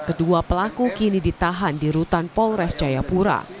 kedua pelaku kini ditahan di rutan polres jayapura